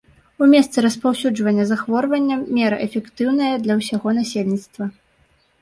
У месцы распаўсюджвання захворвання мера эфектыўная для ўсяго насельніцтва.